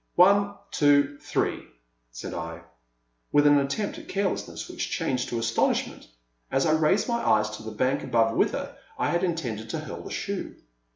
One, two, three," said I, with an attempt at carelessness which changed to astonishment as I raised my eyes to the bank above whither I had intended to hurl the shoe.